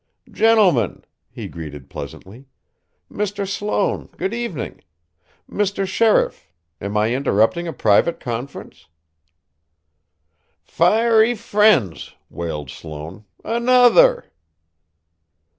"Gentlemen!" he greeted pleasantly. "Mr. Sloane, good evening. Mr. Sheriff am I interrupting a private conference?" "Fiery fiends!" wailed Sloane. "Another!"